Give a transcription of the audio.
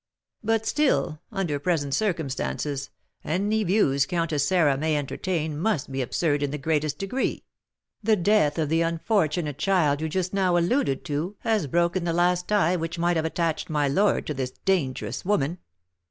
"But still, under present circumstances, any views Countess Sarah may entertain must be absurd in the greatest degree; the death of the unfortunate child you just now alluded to has broken the last tie which might have attached my lord to this dangerous woman.